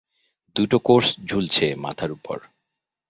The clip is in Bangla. দুটো কোর্স ঝুলছে মাথার উপর।